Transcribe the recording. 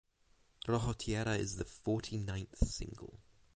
Rojo Tierra is the forty ninth single.